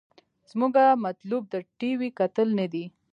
زمونګه مطلوب د ټي وي کتل نه دې.